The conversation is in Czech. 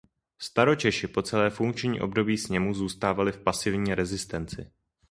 Staročeši po celé funkční období sněmu zůstávali v pasivní rezistenci.